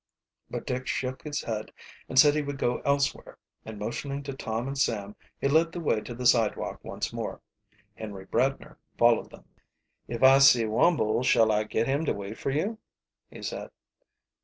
But Dick shook his head and said he would go elsewhere, and motioning to Tom and Sam he led the way to the sidewalk once more. Henry Bradner followed them. "If I see Wumble shall I get him to wait for you?" he said.